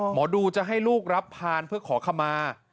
หมอดูจะให้ลูกรับพานเพื่อขอขมา